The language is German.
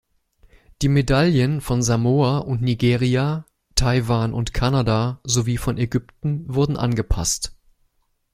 Die Medaillen von Samoa und Nigeria, Taiwan und Kanada sowie von Ägypten wurden angepasst.